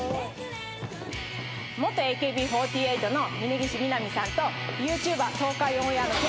元「ＡＫＢ４８」の峯岸みなみさんとＹｏｕＴｕｂｅｒ東海オンエアのてつやさん。